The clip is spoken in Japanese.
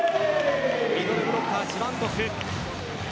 ミドルブロッカー・ジバンコフ。